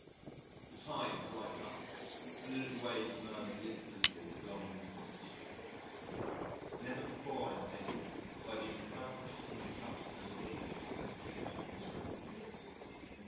The tide was right up, and the little waves murmured listlessly at long intervals: never before I think have I been plunged into such an abyss of acute misery.